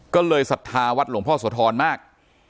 ก็เลยศรัทธาวัดหลวงพ่อโสธรมาก